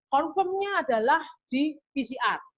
confirmnya adalah di pcr